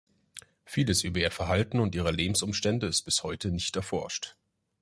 Vieles über ihr Verhalten und ihre Lebensumstände ist bis heute nicht erforscht.